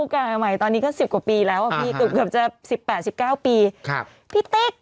ได้ครับผม